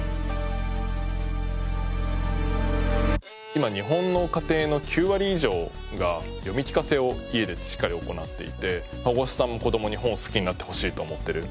今日本の家庭の９割以上が読み聞かせを家でしっかり行っていて保護者さんも子どもに本を好きになってほしいと思ってる。